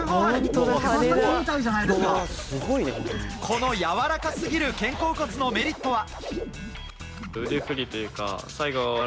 このやわらかすぎる肩甲骨のメリットは。